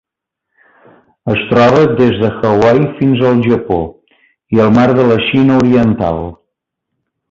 Es troba des de Hawaii fins al Japó i el Mar de la Xina Oriental.